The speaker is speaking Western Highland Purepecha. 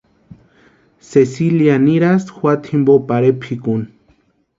Cecilia nirasïnti juata jimpo pare pʼikuni.